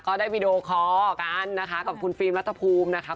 ก็ได้วิดีโอค่อกันนะคะกับคุณฟีมรัทธภูมินะคะ